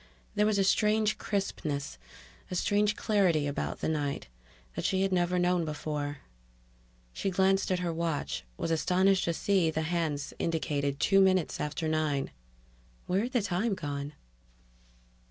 There was a strange crispness, a strange clarity about the night, that she had never known before ... She glanced at her watch, was astonished to see that the hands indicated two minutes after nine. Where had the time gone?